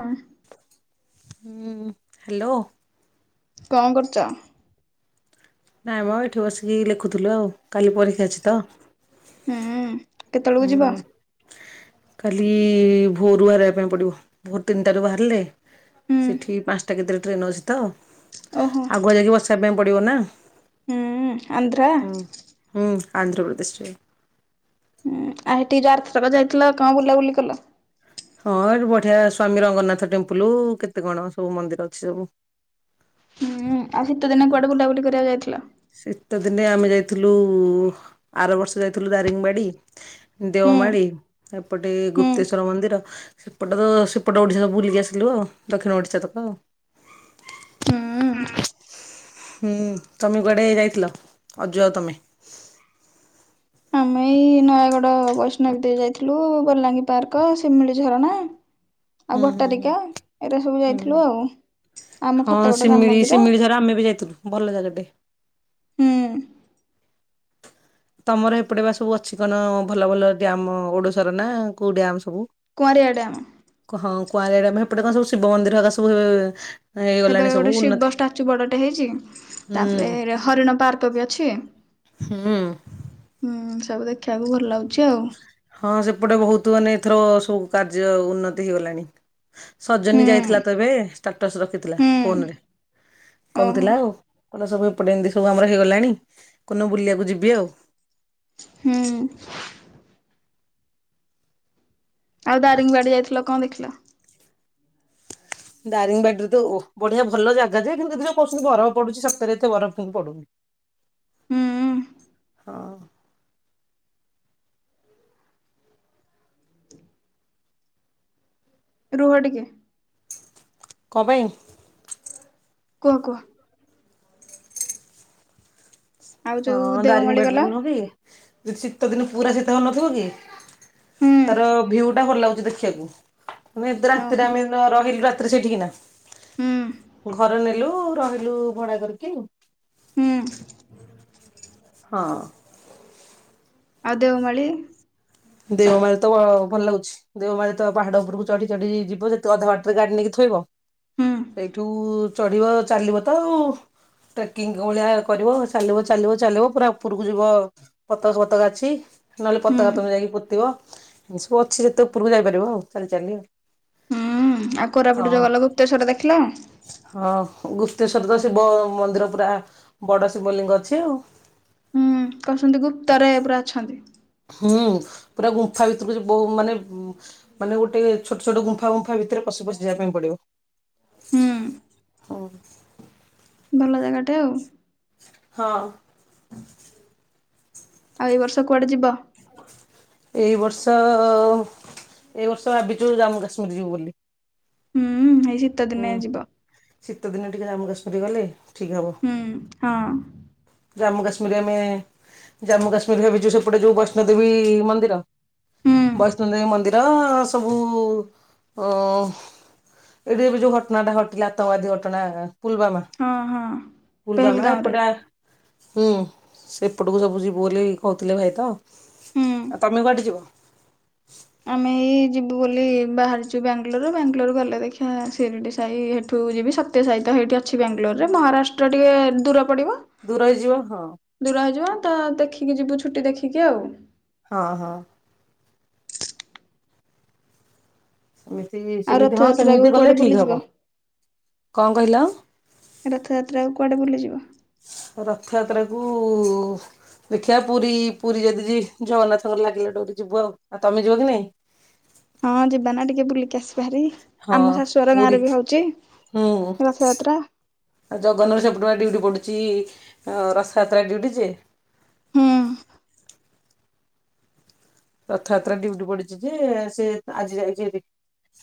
ହୁଁ ହଁ, ହ୍ୟାଲୋ କଣ କରୁଛ? ନାଇଁ ମଁ ଏଇଠି ବସିକି ଲେଖୁଥିଲୁ ଆଉ କାଲି ପରୀକ୍ଷା ଅଛି ତ ହୁଁ କେତେବେଳକୁ ହୁଁ ଯିବା। କାଲି ଭୋରୁ ବାହାରିବା ପାଇଁ ପଡିବ ଭୋରୁ ତିନିଟାରୁ ବାହାରିଲେ। ହୁଁ ସେଠି ପାଞ୍ଚଟା କେତେବେଳେ ଟ୍ରେନ ଅଛି ତ ଓହୋ ଆଗୁଆ ଯାଇକି ବସିବା ପାଇଁ ପଡିବ ନା। ହଁ ଆନ୍ଦ୍ର ହୁଁ ହୁଁ ଆନ୍ଧ୍ରପ୍ରଦେଶରେ ଆ ଟିକେ ଜରଥରକ ଯାଇଥିଲା କଣ ବୁଲାବୁଲି କ ହଁ ଏଠି ବଢିଆ ସ୍ଵାମୀ ରଙ୍ଗନାଥ ଟେମ୍ପଲ କେତେ କଣ ସବୁ ମନ୍ଦିର ଅଛି ସବୁ ହୁଁ ଆଉ ଶୀତ ଦିନେ କୁଆଡେ ବୁଲାବୁଲି କରିବାକୁ ଯାଇଥିଲା। ଶୀତ ଦିନେ ଆମେ ଯାଇଥିଲୁ ଆର ବର୍ଷ ଯାଇଥିଲୁ ଦାରିଙ୍ଗବାଡି। ହୁଁ ଦେଓମାଳି ଏପଟେ ହୁଁ ଗୁପ୍ତେଶ୍ଵର ମନ୍ଦିର ସେପଟ ତ ସେପଟ ଓଡ଼ିଶା ସବୁ ବୁଲିକି ଆସିଲୁ ଆଉ ଦକ୍ଷିଣ ଓଡ଼ିଶା ତକ ଆଉ ହୁଁ। ହୁଁ ତମେ କୁଆଡେ ହେଇ ଯାଇଥିଲ ଆଜୁ ଆଉ ତମେ। ଆମେ ଏଇ ନୟାଗଡ ବୈଷ୍ଣବ ଦେଇ ଯାଇଥିଲୁ। ବଲାଙ୍ଗୀ ପାର୍କ ଶିମିଳି ଝରଣା ହୁଁ ଆଉ ହୁଁ ହୁଁ। ଭଟାରିକା ଏରାା ସବୁ ହୁଁ ଯାଇଥିଲୁ ଆଉ। ଆମ ହଁ ଫତେଗୋଡ ରାମ ଶିମିଳି ମନ୍ଦିର ଶିମିଳି ର ଆମେ ବି ଯାଇଥିଲୁ ଭଲ ଜାଗା ଟେ ହୁଁ। ତମର ଏପଟେ ବା ସବୁ ଅଛି କଣ ଭଲ ଭଲ ଡ୍ୟାମ ଓଡିଶାର ନା କୋଉ ଡ୍ୟାମ ସବୁ କୁମାରଆଡ ଆମ। କୁଆଳିଡା ସେପଟେ କଣ ସବୁ ଶିବ ମନ୍ଦିର ଏକା ସବୁ ଏବେ ହେଇଗଲାଣି ସବୁ ଗୋଟେ ଉନ୍ନତି ଶିବ ଷ୍ଟାଚୁ ବଡଟେ ହେଇଛି। ହୁଁ ତାପରେ ହରିଣ ପାର୍କ ବି ଅଛି। ହଁ। ହୁଁ ସବୁ ଦେଖିବାକୁ ଭଲ ଲାଗୁଛି। ଆଉ ହୁଁ ହଁ ସେପଟେ ବହୁତ ମାନେ ଏଥର ସବୁ କାର୍ଯ୍ୟ ଉନ୍ନତି ହେଇଗଲାଣି। ସଜନୀ ଯାଇଥିଲା ତବେ ଷ୍ଟାଟସ ରଖିଥିଲା ହୁଁ ଫୋନରେ ଓହୋ କହୁଥିଲା ଆଉ କିଲ ସବୁ ଏପଟେ ଏମିତି ସବୁ ଆମର ହେଇଗଲାଣି କୁନ ବୁଲିବାକୁ ଯିବି ଆଉ। ହୁଁ ଆଉ ଦାରିଙ୍ଗବାଡି ଯାଇଥିଲ କଣ ଦେଖିଲ ଦାରିଙ୍ଗ ବେଡ଼୍ର ଦୁ। ବଢିଆ ଭଲ ଜାଗାଏ କିନ୍ତୁ ଏଥି ଯଁ କହୁଛନ୍ତି ବରଫ ପଡୁଛି ସାତରେ ଏତ ବଫାଇହିଁ ପଡନି ହୁଁ ହଁ। ରୁହଡ଼କ। କ ପାଇଁ କୁହ କୁହ ଆଉ ଯୋଉ ହଁ ଦାରିଙ୍ଗ ଦେଓମାଳି ବେଡ ଗଲା ନ କି ଶୀତ ଦିନ ପୁରା ଶୀତ ନଥିବ କି ହୁଁ ତାର ଭିଉ ଟା ଭଲ ଲାଗୁଛି ଦେଖିବାକୁ ମାନେ ଏ ରାତିରେ ଓହୋ ଆମେ ରହିଲୁ। ସେଠିକ ନା ହୁଁ ଘର ନେଲୁ ରହିଲୁ ଭଡା କରିକୁ ହଁ। ହଁ। ଆଉ ଦେଓ ମଳିି। ଦେଓମାଳି ତ ଭଲ ଲାଗୁଛି ଦେଓମାଳୀ ତ ପାହାଡ ଉପରକୁ ଚଢି ଚଢି ଯିବ ସେତେ ଅଧାଘାଟରେ ଗାଡି ନେଇକି େଇବ ହୁଁ ସେଇଠୁ ଚଢିବ ଚାଲିବ ତ ଆଉ ଟ୍ରେକିଂ ଭଳିଆ କରିବ ଚାଲିବ ଚାଲିବ ଚାଲିବ ପୁରା ଉପରକୁ ଯିବ ପତକା ଫତକା ଅଛି। ନହେଲେ ହୁଁ ପତାକା ତମକୁ ଯାଇକି। ଏ ସବୁ ଅଛି ସେତେ ଉପରକୁ ଯାଇପାରିବ ଆଉ ଚାଲି ଚାଲି ହୁଁ କୋରାପୁଟ ଯୋଉ ଆଉ। ଗଲ ଗୁପ୍ତେଶ୍ୱର ଦେଖିଲ ହଁ ହଁୁ ସତେଶ୍ୱଵର ତ ଶିବ ମନ୍ଦିର ପୁରା ବଡ଼ ଶିବଲିଙ୍ଗ ଅଛି ଆଉ ହଁ କହୁଛନ୍ତି ଗୁପ୍ତରେ ଏ ପା ଅଛନ୍ତି ହୁଁ ପୁରା ଗୁମ୍ଫା ଭିତରକୁ ବହୁ ମାନେ ମାନେ ଗୋଟେ ଛୋଟ ଛୋଟ ଗୁମ୍ଫା ଗୁମ୍ଫା ଭିତରେ ପଶୁ ପଶି ଯିବା ପାଇଁ ପଡିବ ହୁଁ ହଁ ଭଲ ଜାଗାଟେ ଆଉ ହଁ ଆଉ ଏଇ ବର୍ଷ କୁଆଡେ ଯିବ ଏ ବର୍ଷ ଏଇ ବର୍ଷ ଭାବିଛୁ ଜାମ୍ମୁ କାଶ୍ମୀର ଯିବୁ ବୋଲି ହୁଁ ଏଇ ଶୀତ ଦିନେ ଯିବା ଶୀତଦିନ ଟିକେ ଜମ୍ମୁ କାଶ୍ମୀର ଗଲେ ଠିକ୍ ହବ ହୁଁ ହଁ ଜାମ୍ମୁ କାଶ୍ମୀରରେ ଆମେ ଜାମ୍ମୁ କାଶ୍ମୀର ଭିଛୁ ସେପଟେ ଯୋଉ ବୈଷ୍ଣୋଦେବୀ ମନ୍ଦିର ହୁଁ ବୈଷ୍ଣଦେବୀ ମନ୍ଦିର ସବୁ ଅ ଏଇଠି ଏବେ ଯୋଉ ଘଟଣା ଟା ଘଟିଲା। ଆତଙ୍କବାଦୀ ଘଟଣା ପୁଲବାାମା ହଁ ହଁ ପୁଲବାାମା ପେହେଲଗାଁରେ ଏପଟା ହୁଁ ସେ ପଟକୁ ସବୁ ଯିବୁ ବୋଲି କହୁଥିଲେ ଭାଇ ତ। ହୁଁ। ଆ ତମେ କୁଆଠେ ଯିବ? ଆମେ ଏଇ ଯିବୁ ବୋଲି ବାହାରିଛୁ ବାଙ୍ଗାଲୋର। ବାଙ୍ଗାଲୋର ଗଲେ ଦେଖିଆ ସିରିଡ଼ି ସାହି ହେଠୁ ମୁଁ ଯିବି ସତ୍ୟ ସହିତ ହେଇଠି ଅଛି ବାଙ୍ଗାଲୋରରେ ମହାରାଷ୍ଟ୍ର ଟିକେ ଦୁର ପଡିବ, ଦୂର ହେଇଯିବ ହଁ ଦୂର ହେଇଯିବ ତ ଦେଖିକି ଯିବୁ ଛୁଟି ଦେଖିକି ଆଉ। ହଁ ହଁ। ଏମିତି ଆଉ ସେମିତି ହଁ ରଥଯାତ୍ରାକୁ ସେମିତି ଗଲେ କୁଆଡେ ଠିକ ବୁଲିଯିବ ହବ। କଣ କହିଲ ଆଉ? ରଥଯାତ୍ରା ଆଉ କୁଆଡେ ବୁିଲ ଯିବ? ଓୁ ଦେଖିଆ ପୁରୀ ପୁରୀ ଯଦି ଜିବି ଜଗନ୍ନାଥଙ୍କର ଲାଗିଲା ଡରି ଯିବୁ ଆଉ। ଆଉ ତମେ ଯିବ କି ନାଇଁ? ହଁ ଯିବା ନା ଟିକେ ବୁଲିକି ଆସି ହାରି ହଁ ଆମ ଶାଶୁହର ପୁରୀ। ଗାଁରେ ବି ହଉଛି। ରଥଯାତ୍ରା। ଆ ଜଗନ୍ନର ସେପଟ ପା ଡ୍ୟୁଟି ପଡୁଛି ରଥଯାତ୍ରା ଡ୍ୟୁଟି ଯେ ହୁଁ। ରଥଯାତ୍ରା ଡିଉଟି ପଡିଛି ଯେ ସେ ଆଜି ଯାଇଛି ହେଠି।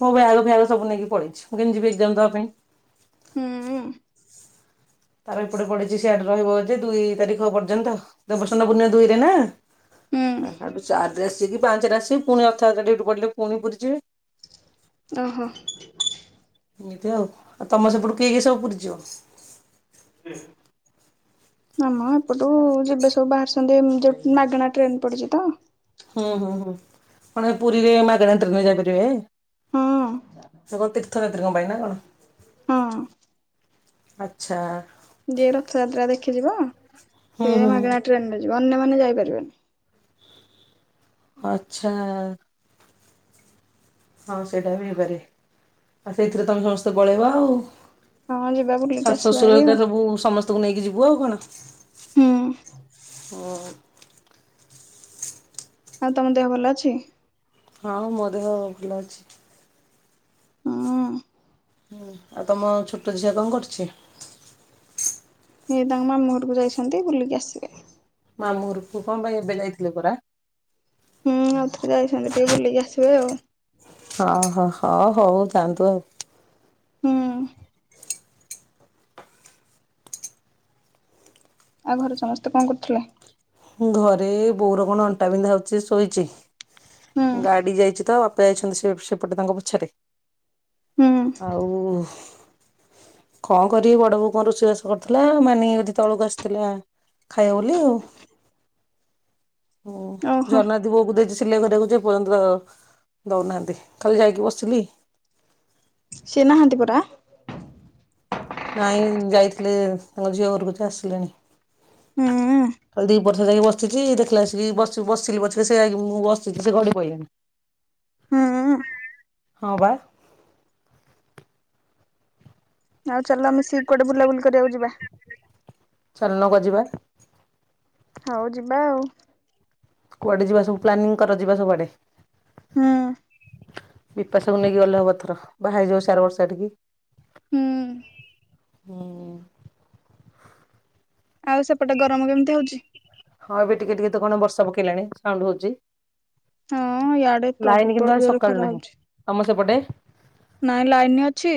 ମୁୋ ବ୍ୟାଗ ଫ୍ୟାଗ ସବୁ ନେଇକି ପଳେଇଛି। ମୁଁ କେମି ଯିବି ଏକ୍ଜାମ ଦବା ପାଇଁ? ହୁଁଉଁ। ତାର ଏପଟେ ପଡିଛି ସିଆଡେ ରହିବ ଯେ ଦୁଇ ତାରିଖ ପର୍ଯ୍ୟନ୍ତ। ଦେବସନ ପୂର୍ଣ ଦୁଇରେ ନା? ହୁଁ [unintelligible] ବେସିକି ପାଞ୍ଚରେ ଆସିବି ପୁଣି [unintelligible] ଡୁଟି ପୁଣି ପୁରୀ ଯିବି। ଓହୋ। ଏମିତି ଆଉ ଆଉ ତମ ସେପଟୁ କି କି ସବୁ ପୁରି ଯିବ? ମାମ ଏପଟୁ ଯିବେ ସବୁ ବାହାରିଛନ୍ତି ଯୋଉ ମାଗଣା ଟ୍ରେନ ପଡିଛି ତ। ହୁଁ ହୁଁ ହୁଁ ମଣେ ପୁରୀରେ ମାଗଣା ଟ୍ରେନ ଯାଇପାରିବେ ହେ? ହଁ ସେ କଣ ତୀର୍ଥ ଯାତ୍ରୀଙ୍କ ପାଇଁ ନା କଣ? ହଁ। ଆଛା। ଯିଏ ରଥଯାତ୍ରା ଦେଖିଯିବ। ହୁଁ ସିଏ ହୁଁ ମାଗଣା ଟ୍ରେନରେ ଯିବ। ଅନ୍ୟମାନେ ଯାଇପାରିବେନି। ଆଚ୍ଛା। ହଁ ସେଇଟା ବି ହେଇପାରେ ଆଉ ସେଇଥିରେ ତମେ ସମସ୍ତେ ପଳେଇବ ଆଉ। ହଁ ଯିବା ବୁଲିକି ଶାଶୁ ଆସିବା ଶଶୁର ଭାରି ଆଉ ହେକା ସବୁ ସମସ୍ତଙ୍କୁ ନେଇକି ଯିବୁ ଆଉ କଣ? ହୁଁ। ହୋଉ। ଆଉ ତମ ଦେହ ଭଲ ଅଛି? ହଁ ମୋ ଦେହ ଭଲ ଅଛି। ହୁଁ। ହୁଁ, ଆଉ ତମ ଛୋଟୋ ଝିଅ କଁ କରୁଛି? ସିଏ ତାଙ୍କ ମାମୁଁ ଘରକୁ ଯାଇଛନ୍ତି ବୁଲିକି ଆସିବେ। ମାମୁଁ ଘରକୁ କଁ ପାଇଁ ଏବେ ଯାଇଥିଲେ ପରା? ହୁଁ ଆଉ ଥରେ ଯାଇଛନ୍ତି ଟିକେ ବୁଲିକି ଆସିବେ ଆଉ। ହଁ ହଁ ହ ହଉ ଯାଆନ୍ତୁ ଆଉ। ହୁଁ। ଆଉ ଘରେ ସମସ୍ତେ କଣ କରୁଥିଲେ? ଘରେ ବୋଉର କଣ ଅଣ୍ଟା ବିିନ୍ଧା ହୋଉଚି ଯେ ଶୋଇଚି। ହୁଁ ଗାଡି ଯାଇଚି ତ ବା ପା ଯାଇଛନ୍ତି ସେ ସେପଟେ ତାଙ୍କ ପୋଛରେ ହୁଁ ଆଉ [inaudible] କଣ କରିବି ବଡ ବୋଉ କଁ ରୋଷେଇ ବାସ କରୁଥିଲା। ମାନି ଦି ତଳକୁ ଆସିଥିଲା। ଖାଇବ ବୋଲି ଆଉ [inaudible] ଓ ଓହୋ ଜର୍ନାଦୀ ବୋଉ କୁ ଦେଇଚି ସିଲେଇ କରିବାକୁ। ଯେ ଏପର୍ଯ୍ୟନ୍ତ ଦୋଉନାହାନ୍ତି ଖାଲି ଯାଇକି ବସିଲି। ସିଏ ନାହାନ୍ତି ପରା। ନାଇଁ ଯାଇଥିଲେ ତାଙ୍କ ଝିଅ ଘରକୁ ଯେ ଆସିଲେଣି। ହୁଁ। କାଲି ଦିପହର ସାରା ଯାଇକି ବସିଚି ଦେଖିଲା ଆସିକି ବସି ବସିଲି ପଛେ ସେ ମୁଁ ବସିଛିି ସେ ଗଡି ପଇଲେଣି। ହୁଁ ହଁ ବା। ଆଉ ଚାଲ ମିଶିକି କୁଆଡେ ବୁଲାବୁଲି କରିବାକୁ ଯିବା। ଚାଲୁନ କୁଆ ଯିବା। ହଉ ଯିବା ଆଉ। କୁଆଡେ ଯିବା ସବୁ ପ୍ଲାନୀଙ୍ଗ କର ଯିବା ସବୁଆଡେ। ହୁଁ। ବିପାସାକୁୁ ନେଇକି ଗଲେ ହବ ଏଥର ବାହା ହେଇଯିବ ସେ ଆର ବର୍ଷା ଆଠିକି। ହୁଁ ହୁଁ ଆଉ ସେପଟେ ଗରମ କେମିତି ହଉଛି? ହଁ ଏବେ ଟିକେ ଟିକେ ତ କଣ ବର୍ଷା ପକେଇଲାଣି ସାଉଣ୍ଡ ହଉଚି। ହଁ ୟାଡେ ପ୍ରବଳ ଆଜି ଜୋର ସକାଳୁ ଖରା ନାହିଁ। ହଉଚି। ଆମ ସେପଟେ ନାଇଁ ଲାଇନ ଅଛି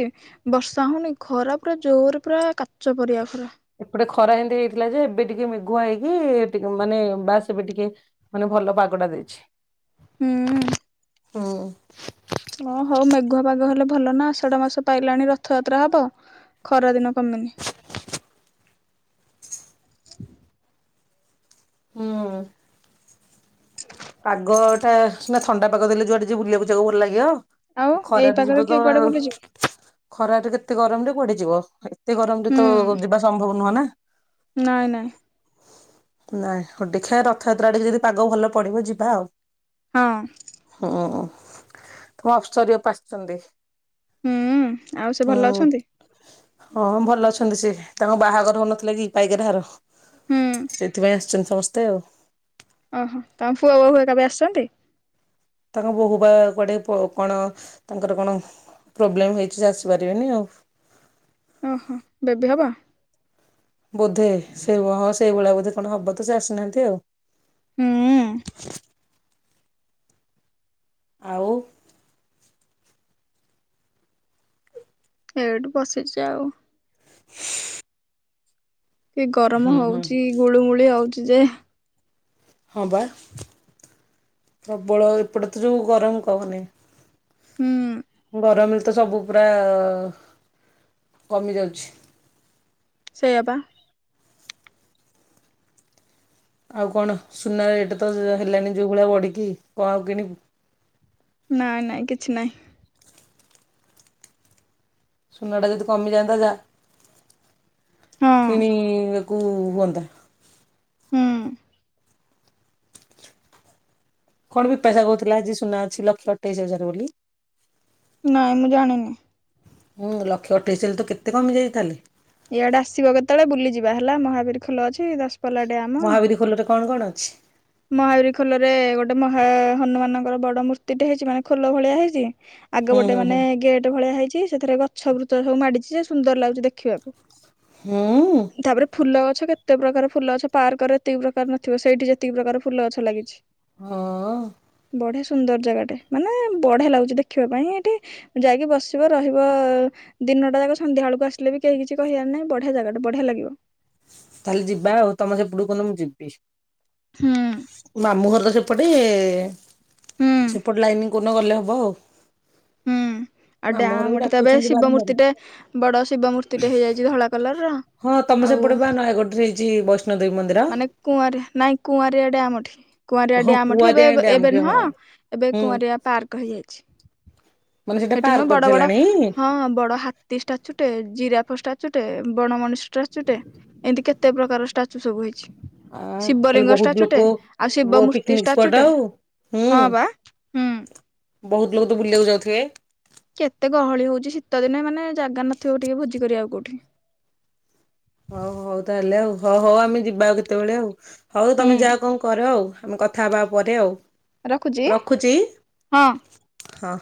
ବର୍ଷା ହୋଉନି ଖରା ପ ପୁରା ଜୋର ପୁରା କାଚ ପରିକା ଖରା। ଏପଟେ ଖରା ଏନ୍ତି ହେଇଥିଲା ଯେ ଏବେ ଟିକେ ମେଘୁଆ ହେଇକିି ଟିକେ ମାନେ ବାସ ଏବେ ଟିକେ ମାନେ ଭଲ ପାଗଟା ଦେଇଛି। ହୁଁ। ହୋଉ। ଓଁ ହୋଉ ମେଘୁଆ ପଗ ହେଲେ ଭଲ ନା ଆଷାଢ ମାସ ପାଇଲାଣି ରଥଯାତ୍ରା ହବ ଖରା ଦିନ କ [unintelligible] ହୁଁ। ପାଗଟା ସିନା ଥଣ୍ଡା ପାଗ ଦେଲେ ଯୁଆଡ଼େ ଯିଏ ବୁଲିବାକୁ ଯିବାକୁ ଭଲ ଲାଗିବ। ଆଉ ଏଇ ଖରାରେ ପାଗରେ ଯିବ କିଏ ତମେ କୁଆଡେ ଆଉ ବୁଲିଯିବ ଖରାରେ କେତେ ଗରମରେ କୁଆଡ଼େ ଯିବ। ଏତେ ଗରମରେ ହୁଁ ତ ଯିବା ସମ୍ଭବ ନୁହଁ ନା। ନାଇଁ ନାଇଁ। ନାଇଁ ହୋଉ ଦେଖିଆ ରଥଯାତ୍ରା ଟିକେ ଯଦି ପାଗ ଭଲ ପଡିବ ଯିବା ଆଉ। ହଁ ହୁଁ ତମ ଅପସର ପାସିଛନ୍ତି ହୁଁ ଆଉ ସେ ହୁଁ ଭଲ ଅଛନ୍ତି ହଁ ଭଲ ଅ ସେ ତାଙ୍କ ବାହାଘର ହଉନଥିଲା କି ପାଇକ ହାର ହୁଁ ସେଥିପାଇଁ ଅଛନ୍ତି ସମସ୍ତେ ଆଉ ଓହୋ ତାମ ପୁଅ ବହୁୂ କୋବେ ଆସିଛନ୍ତି ହ ବୋହୁ ବା କୁଆଡେ କଣ ତାଙ୍କର କଣ ପ୍ରୋବ୍ଲେମ ହେଇଛି ଆସିପାରିବେନି ଆଉ ଓହୋ ବବ ହବା ବୋଧେ ସେଇ ହଁ ସେଇଭଳିଆ ବୋଧେ କଣ ହବ ତୁ ସେ ଆସିନାହାନ୍ତି ଆଉ ହୁଁ [inaudible] ଆଉ ଏଇଠୁ ବସିଛି ଆଉ କି ଗରମ ହଉଚ ଗୁଳୁମୁଳି ହଉଚ ଯେ ହଁ ବା ପ୍ରବଳ ଏପଟେ ତ ଯେଉଁ ଗରମ କହନି ହୁଁ ଗରମରେ ତ ସବୁ ପୁରା କମି ଯାଉଛି ସେଇ ବାବା ଆଉ କଣ ସୁନା ରେଟ୍ ତ ହେଲାନି ଯେଉଁ ଭଳିଆ ବଢ଼ିକି କଣ ଆଉ କିଣିବ ନଁ ନାଁ କିଛି ନାହିଁ ସୁନା ଟା ଯଦି କମିଯାଆନ୍ତା ଯା ହଁ କିଣି କୁ ହତା ହୁଁ କଣ ବି ପଇସା କହୁଥିଲା ଆଜି ସୁନା ଅଛି ଲକ୍ଷ ଅଠେଇଶ ହଜାର ବୋଲି ନାଇଁ ମୁଁ ଜାଣିନି ଉୁଁ ଲକ୍ଷେ ଅଠେଇଶ ହେଲେ ତ କେତେ କମି ଯାଇ ତାଲେ ଇଆଡେ ଆସିବ କେତେବେଳେ ବୁଲି ଯିବା ହେଲା ମହାବୀର ଖୋଲ ଅଛି ଦଶପଲା ଡ ମହାବୀର ଖୋଲରେ କଣ କଣ ଅଛି? ମର ଖୋଲରେ ଗୋଟେ ଗୋଟେ ମହା ହନୁମାନଙ୍କର ବଡ ମୂର୍ତ୍ତିଟେ ହେଇଛି ମାନେ ଖୋଲ ଭଳିଆ ହେଇଛି ଆଗ ହୁଁ ଗୋଟେ ହୁଁ ହୁଁ ମାନେ ଗେଟ୍ ଭଳିଆ ହେଇଛି ସେଥିରେ ଗଛ ବୃଛ ସବୁ ମାଡିଛି ସେ ସୁନ୍ଦର ଲାଗୁଛି ଦେଖିବାକୁ ହୁଁ ତାପରେ ଫୁଲଲା ଛ କେତେ ପ୍ରକାର ଫୁଲ ଗଛ ପାର୍କରେ ଏତକି ପ୍ରକାର ନଥିବ ସେଇଠି ଯେତିକି ପ୍ରକାର ଫୁଲ ଗଛ ଲାଗିଛି ହଁ ବଢିଆ ସୁନ୍ଦର ଜାଗାଟେ ମାନେ ବଢିଆ ଲାଗୁଛି ଦେଖିବା ପାଇଁ ଏଠି ଯାଇକି ବସିବ ରହିବ ଦିନଟା ଯା ସନ୍ଧ୍ୟାବେଳକୁ ଆସିଲେ ବି କେହି କିଛି କହିବାର ନାହିଁ ବଢିଆ ଜାଗା ବଢିଆ ଲାଗିବ ତାହେଲେ ଯିବା ଆଉ ତମର ସେପଟ କନ ମୁଁ ଯିବି ହୁଁ ମାମୁଁ ଘର ତ ସେପଟେ ହୁଁ ସେପଟେ ଲାଇନିଂ କନ ଗଲେ ହବ ଆଉ ହୁଁ ଆଉ ମାମୁଁ ଘର ବି ଡାଁଠି ତ ଏବେ ଡାକୁଛନ୍ତି ଶିବ ବାରମ୍ବାର। ମୂର୍ତ୍ତି ଟେ ବଡ ଶିବ ମୂର୍ତ୍ତି ଟେ ହେଇଯାଇଛି ଧଳା କଲର ର ହଁ ତମ ଆଉ ସେପଟେ ବା ନୟାଗଡ଼ରେ ହେଇଛି ବୈଷ୍ଣୋଦେବୀ ମନ୍ଦିର। ମାନେ କୁଆର ନାଇଁ କୁଆର କ ଡ ଉଠି କୁଆରଆ ହଁ ଡ୍ୟାମ୍ ଉଠି ଏବେ କୁଆରିଆଣି ଡ୍ୟାମ ଏବେ କି ନୁହଁ ହଁ ଏବେ ହୁଁ କୁଆରଆ ପାର୍କ ହେଇଯାଇଛି ମାନେ ସେଟା ସେଠି ପାର ନୁହ କରି ବଡ ବଡ ସାରିଲାଣି? ହଁ ବଡ ହାତୀ ଷ୍ଟାଚୁଟେ ଜିରା ଷ୍ଟାଚୁ ଟେ ବଣମଣିଷ ଷ୍ଟାଚୁ ଟେ ଏମିତି କେତେ ପ୍ରକାର ଷ୍ଟାଚୁ ସବୁ ହେଇଛି ଆ ତାହେଲେ ଶିବଲିଙ୍ଗ ବହୁତ ଷ୍ଟାଚୁ ଲୋକ ଟେ ଆଉ ବୋ ଶିବ ମୂର୍ତ୍ତି ପିକନିକ ଷ୍ଟାଚୁ ସ୍ପଟ ଟେ ଆଉ ହୁଁ ହଁ ବା ହୁଁ ବହୁତ ଲୋକ ତ ବୁଲିବାକୁ ଯାଉଥିବେ କେତେ ଗହଳି ହଉଛି ଶୀତ ଦିନେ ମାନେ ଜାଗା ନଥିବ ଟିକେ ଭୋଜି କରିବାଉ କୋଉଠି ହଉ ହଉ ତାହେଲେ ଆଉ ହଉ ହଉ ଆମେ ଯିବା ଆଉ କେତେବେଳେ ଆଉ ହଉ ହୁଁ ତମେ ଯାହା କଣ କର ଆଉ ଆମେ କଥା ହେବା ପରେ ଆଉ ରଖୁଛି ହଁ। ହଁ